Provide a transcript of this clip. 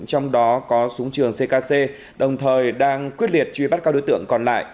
trong đó có súng trường ckc đồng thời đang quyết liệt truy bắt các đối tượng còn lại